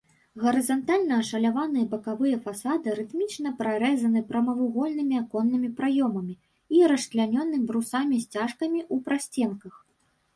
Гарызантальна ашаляваныя бакавыя фасады рытмічна прарэзаны прамавугольнымі аконнымі праёмамі і расчлянёны брусамі-сцяжкамі ў прасценках.